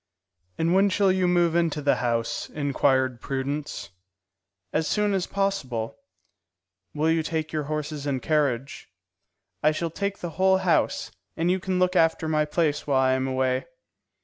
"And when shall you move into the house?" inquired Prudence. "As soon as possible." "Will you take your horses and carriage?" "I shall take the whole house, and you can look after my place while I am away."